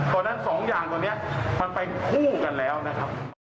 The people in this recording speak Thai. ตัวนั้นสองอย่างตัวนี้มันเป็นคู่กันแล้วนะครับ